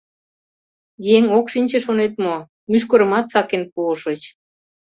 Еҥ ок шинче шонет мо: мӱшкырымат сакен пуышыч!